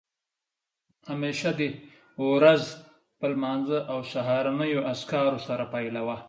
همېشه دې ورځ په لمانځه او سهارنیو اذکارو سره پیلوه